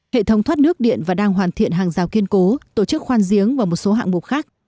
hệ thống thoát nước điện và đang hoàn thiện hàng rào kiên cố tổ chức khoan giếng và một số hạng mục khác